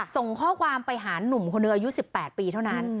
ส่งข้อความไปหานุ่มคนหนึ่งอายุ๑๘ปีเท่านั้น